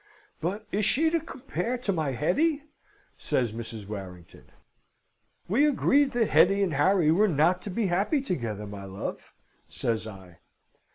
"But is she to compare to my Hetty?" says Mrs. Warrington. "We agreed that Hetty and Harry were not to be happy together, my love," say I.